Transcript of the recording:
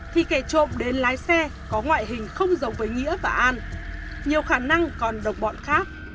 thì kẻ trộm đến lái xe có ngoại hình không giống với nghĩa và an nhiều khả năng còn độc bọn khác